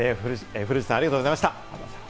古内さん、ありがとうございました。